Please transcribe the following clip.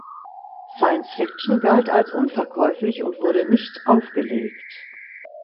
Science Fiction galt als unverkäuflich und wurde nicht aufgelegt.